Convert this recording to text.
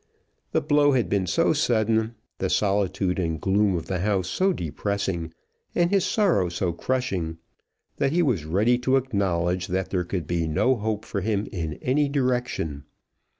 The blow had been so sudden, the solitude and gloom of the house so depressing, and his sorrow so crushing, that he was ready to acknowledge that there could be no hope for him in any direction.